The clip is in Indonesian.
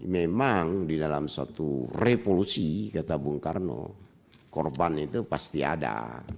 memang di dalam suatu revolusi kata bung karno korban itu pasti ada